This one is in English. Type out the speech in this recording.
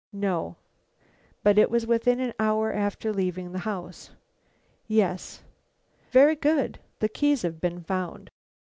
"No." "But it was within an hour after leaving the house?" "Yes." "Very good; the keys have been found."